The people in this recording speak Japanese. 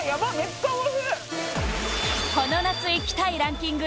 この夏行きたいランキング